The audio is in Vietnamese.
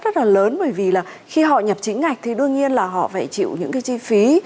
rất là lớn bởi vì là khi họ nhập chính ngạch thì đương nhiên là họ phải chịu những cái chi phí